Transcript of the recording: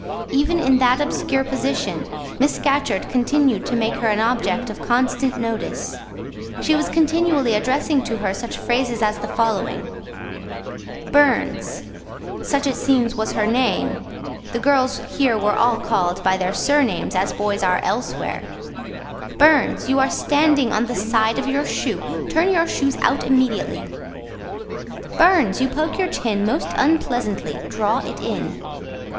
Even in that obscure position, Miss Scatcherd continued to make her an object of constant notice: she was continually addressing to her such phrases as the following:— "Burns" (such it seems was her name: the girls here were all called by their surnames, as boys are elsewhere), "Burns, you are standing on the side of your shoe; turn your toes out immediately." "Burns, you poke your chin most unpleasantly; draw it in."